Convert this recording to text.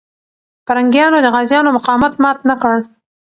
پرنګیانو د غازيانو مقاومت مات نه کړ.